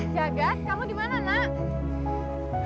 jagad kamu dimana nak